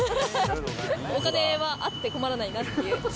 お金はあって困らないなっていう。